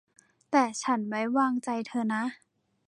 แต่ฉันไว้วางใจเธอนะ